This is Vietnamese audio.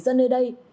người dân nơi đây